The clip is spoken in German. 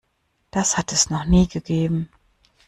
Das hat es noch nie gegeben.